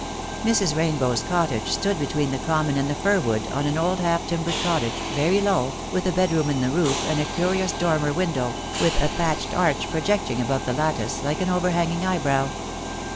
Mrs. Rain bow's cottage stood between the common and the fir wood, an old half timbered cottage, very low, with a bedroom in the roof, and a curious dormer window, with a thatched arch projecting above the lattice, like an overhanging eyebrow.